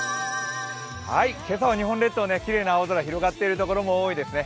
今朝は日本列島、きれいな青空、広がっているところ多いですね。